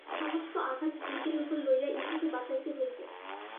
সমস্ত আঘাত নিজের উপর লইয়া ইহাকে বাঁচাইতে হইবে।